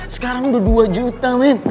lama lama gue bisa ketauan nih